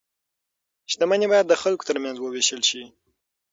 شتمني باید د خلکو ترمنځ وویشل شي.